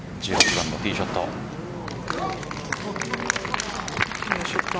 １８番のティーショット。